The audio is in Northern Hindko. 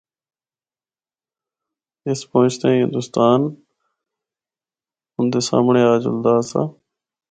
اس پہنچدیاں ہی ہندوستان اُندے سامنڑے آ جلدا آسا۔